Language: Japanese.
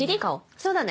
そうだね。